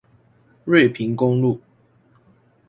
瑞平公路